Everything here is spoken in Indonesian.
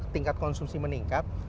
tingkat konsumsi meningkat